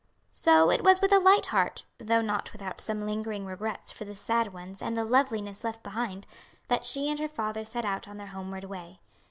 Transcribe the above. So it was with a light heart, though not without some lingering regrets for the sad ones and the loveliness left behind, that she and her father set out on their homeward way.